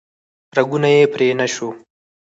رګونه یې پرې نه شو